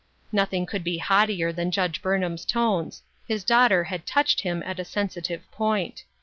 Nothing could be haughtier than Judge Burnham's tones ; his daughter had touched him at a sensitive point.